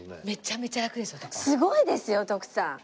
めちゃめちゃラクですよ徳さん。